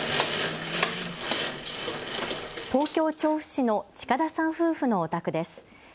東京・調布市の近田さん夫婦のお宅です。